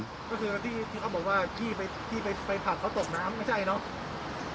ก็คือที่เขาบอกว่าพี่ไปผลักเขาตกน้ำไม่ใช่เนอะ